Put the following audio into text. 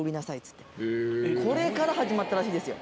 これから始まったらしいですよ。